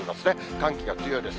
寒気が強いです。